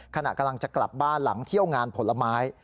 ขณะกำลังจะกลับบ้านหลังเที่ยวงานผลไม้